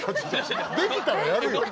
できたらやるよ。